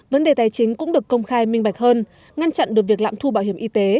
vấn đề tài chính cũng được công khai minh bạch hơn ngăn chặn được việc lạm thu bảo hiểm y tế